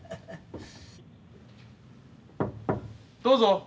どうぞ。